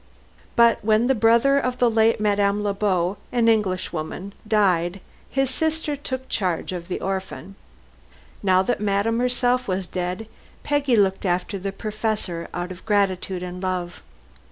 But when the brother of the late Madame Le Beau an Englishwoman died, his sister took charge of the orphan. Now that Madame herself was dead, Peggy looked after the professor out of gratitude and love.